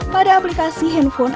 pada aplikasi handphone